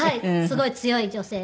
すごい強い女性。